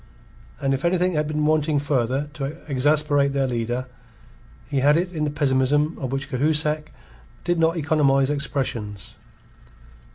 And if anything had been wanting further to exasperate their leader, he had it in the pessimism of which Cahusac did not economize expressions.